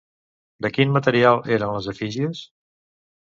De quin material eren les efígies?